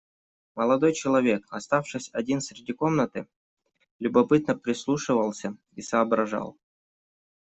Молодой человек, оставшись один среди комнаты, любопытно прислушивался и соображал.